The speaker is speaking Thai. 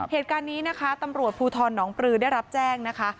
เหตุการณ์นี้นะคะตำรวจภูทรหนองปลือได้รับแจ้งนะคะ